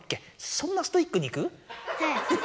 そんなストイックにいく？